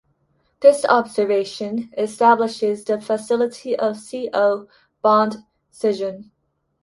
This observation establishes the facility of C-O bond scission.